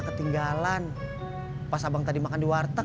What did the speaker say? ketinggalan pas abang tadi makan di warteg